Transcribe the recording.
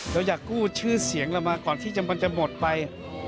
เราอยากกู้ชื่อเสียงเรามาก่อนที่มันจะหมดไป